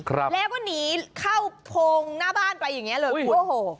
ครับแล้วก็หนีเข้าโพงหน้าบ้านไปอย่างเงี้เลยโอ้โห